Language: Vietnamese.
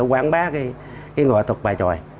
quán bá cái ngõ thuộc bài tròi